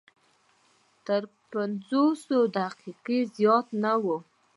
تر پنځلس دقیقې زیات نه وي.